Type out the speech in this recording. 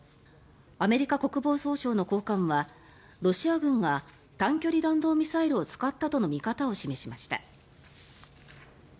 アメリカ国防総省の高官はロシア軍が短距離弾道ミサイルを使ったとの見方を示しました。